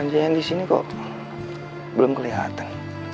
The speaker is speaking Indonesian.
nailah janjian disini kok belum kelihatan